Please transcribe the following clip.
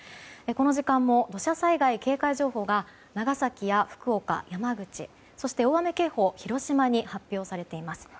この時間も土砂災害警戒情報が長崎や福岡、山口そして大雨警報が広島に発表されています。